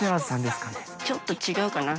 ちょっと違うかな。